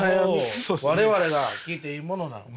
我々が聞いていいものなのか。